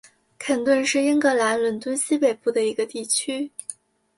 肯顿是英格兰伦敦西北部的一个地区。